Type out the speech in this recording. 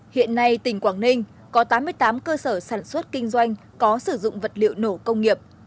hiện nay tỉnh quảng ninh có tám mươi tám cơ sở sản xuất kinh doanh có sử dụng vật liệu nổ công nghiệp